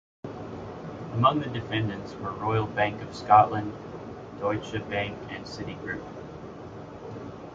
Among the defendants were Royal Bank of Scotland, Deutsche Bank and Citigroup.